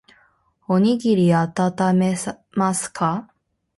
おにぎりあたためますか